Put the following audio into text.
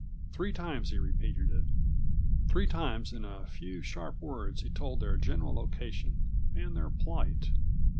Three times he repeated it. Three times in a few sharp words he told their general location and their plight.